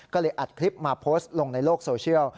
ก็เลยอัดคลิปมาโพสต์ลงในโลกโซเชียล